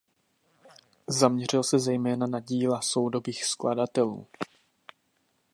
Zaměřil se zejména na díla soudobých skladatelů.